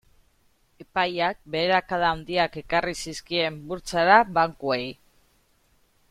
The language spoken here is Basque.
Epaiak beherakada handiak ekarri zizkien burtsara bankuei.